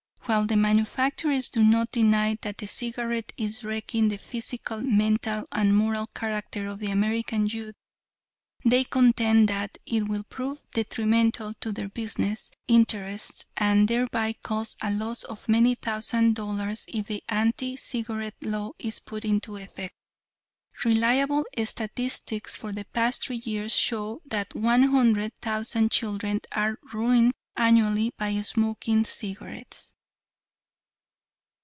While the manufacturers do not deny that the cigarette is wrecking the physical, mental, and moral character of the American youth, they contend that it will prove detrimental to their business interests, and thereby cause a loss of many thousand dollars if the Anti Cigarette Law is put into effect. Reliable statistics for the past three years show that one hundred thousand children are ruined annually by smoking cigarettes."